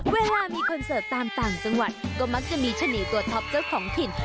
เวลามีคอนเสิร์ตตามต่างจังหวัดก็มักจะมีชะนีตัวท็อปเจ้าของถิ่น